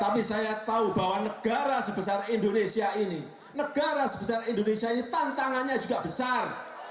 tapi saya tahu bahwa negara sebesar indonesia ini negara sebesar indonesia ini tantangannya juga besar